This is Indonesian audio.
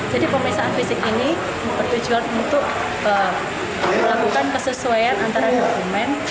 jadi pemeriksaan fisik ini bertujuan untuk melakukan kesesuaian antara dokumen